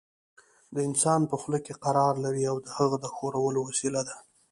د انسان په خوله کې قرار لري او د هغه د ښورولو وسیله ده.